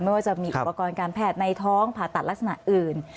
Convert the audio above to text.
ว่าจะมีอุปกรณ์การแพทย์ในท้องผ่าตัดลักษณะอื่น